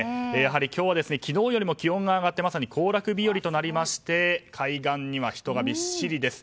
今日は昨日より気温が上がってまさに行楽日和となりまして海岸には人がびっしりです。